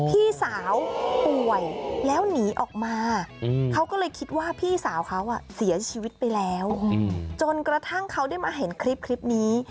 พี่สาวป่วยแล้วหนีออกมาเขาก็เลยคิดว่าพี่สาวเขาเสียชีวิตไปแล้วจนกระทั่งเขาได้มาเห็นคลิปนี้